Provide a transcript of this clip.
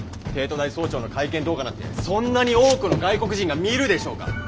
帝都大総長の会見動画なんてそんなに多くの外国人が見るでしょうか？